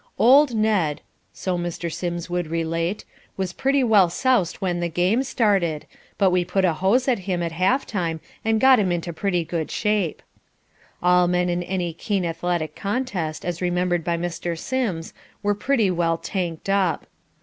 "Old Ned," so Mr. Sims would relate, "was pretty well 'soused' when the game started: but we put a hose at him at half time and got him into pretty good shape." All men in any keen athletic contest, as remembered by Mr. Sims, were pretty well "tanked up."